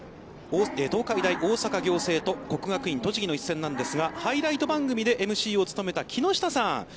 東海大大阪仰星と国学院栃木の一戦なんですがハイライト番組でＭＣを務めた木下さん